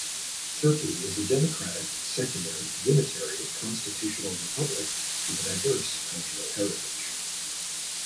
Turkey is a democratic, secular, unitary, constitutional republic with a diverse cultural heritage.